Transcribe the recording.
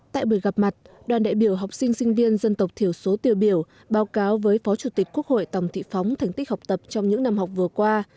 tại buổi gặp mặt đoàn đại biểu học sinh sinh viên dân tộc thiểu số tiêu biểu báo cáo với phó chủ tịch quốc hội tòng thị phóng thành tích học tập trong những năm học vừa qua